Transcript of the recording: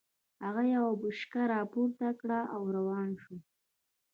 هغه يوه بوشکه را پورته کړه او روان شو.